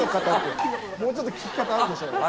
もうちょっと聞き方あるでしょ。